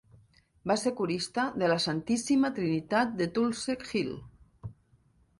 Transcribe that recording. Va ser corista de la Santíssima Trinitat de Tulse Hill.